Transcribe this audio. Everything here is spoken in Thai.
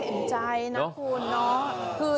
เป็นยังไงติดตามในช่วงตลอดภาพแปด